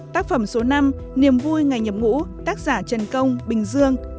tác phẩm số năm niềm vui ngày nhập ngũ tác giả trần công bình dương